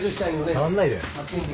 触んないで。